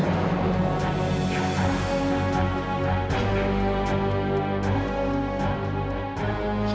ketika tiba tiba mama bisa diadakan